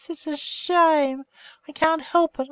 It's a sh shame! I can't help it!